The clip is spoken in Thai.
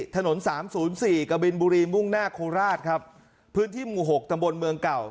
ถนนสามศูนย์สี่กบินบุรีมุ่งหน้าโคราชครับพื้นที่หมู่หกตำบลเมืองเก่า